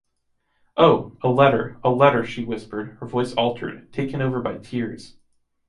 Oh! A letter, a letter, she whispered, her voice altered, taken over by tears.